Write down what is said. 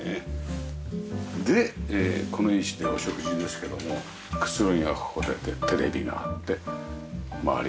でこの位置でお食事ですけどもくつろぎがここでテレビがあって周り